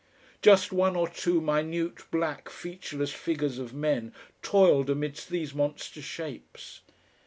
Just one or two minute black featureless figures of men toiled amidst these monster shapes.